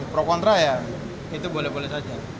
pro kontra ya itu boleh boleh saja